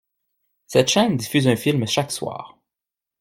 Cette chaîne diffuse un film chaque soir.